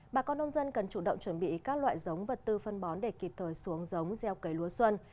bà con nông dân cần chủ động chuẩn bị các loại giống vật tư phân bón để kịp thời xuống giống gieo cấy lúa xuân